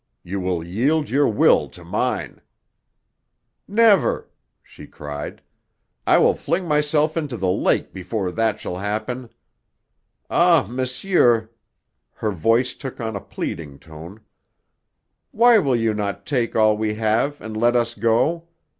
You will yield your will to mine " "Never!" she cried. "I will fling myself into the lake before that shall happen. Ah, monsieur" her voice took on a pleading tone "why will you not take all we have and let us go?